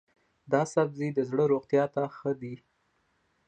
دا سبزی د زړه روغتیا ته ښه دی.